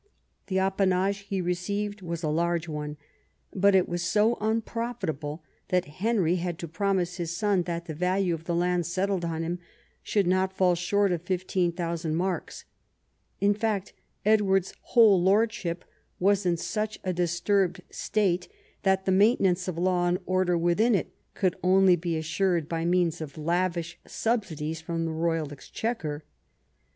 The appanage he received was a large one, but it Avas so unprofitable that Henry had to promise his son that the value of the lands settled on him slioukl not fall short of 15,000 marks. In fact, Edward's whole lordship was in such a disturbed state that the maintenance of law and order within it could only be assured by means of lavish subsidies from the roj'al Exchequer.